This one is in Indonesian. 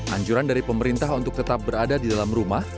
anjuran dari pemerintah untuk tetap berada di dalam rumah